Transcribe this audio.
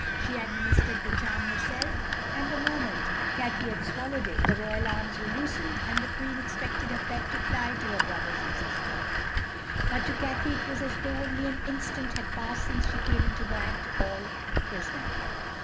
She administered the charm herself, and the moment Cathay had swallowed it the royal arms were loosened, and the Queen expected her pet to fly to her brothers and sister. But to Cathay it was as though only an instant had passed since she came into that hall, a prisoner.